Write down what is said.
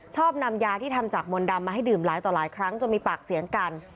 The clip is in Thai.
ชอบนำยาที่ทำจากมนต์ดำมาให้ดื่มหลายต่อหลายครั้งจนมีปากเสียงกัน